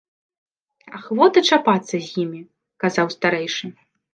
— Ахвота чапацца з імі, — казаў старэйшы.